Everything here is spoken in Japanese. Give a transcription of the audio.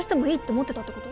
思ってたってこと！？